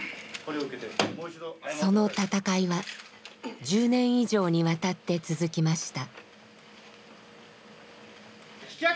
その闘いは１０年以上にわたって続きました。